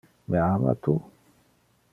Me ama tu?